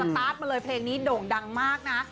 ตาร์ทมาเลยเพลงนี้โด่งดังมากนะ